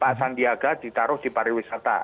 pak sandiaga ditaruh di pariwisata